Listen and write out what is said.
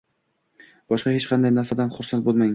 Boshqa hech qanday narsadan xursand bo'lmang.